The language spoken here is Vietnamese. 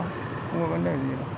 không có vấn đề gì đâu